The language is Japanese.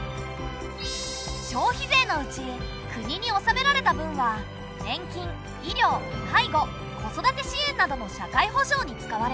消費税のうち国に納められた分は年金医療介護子育て支援などの社会保障に使われる。